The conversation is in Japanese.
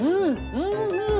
おいしいな！